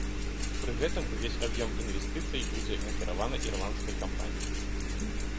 Пры гэтым увесь аб'ём інвестыцый будзе накіраваны ірландскай кампаніяй.